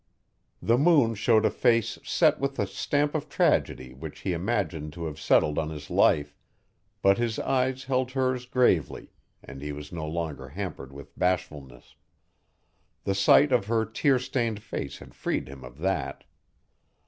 The moon showed a face set with the stamp of tragedy which he imagined to have settled on his life, but his eyes held hers gravely and he was no longer hampered with bashfulness. The sight of her tear stained faced had freed him of that.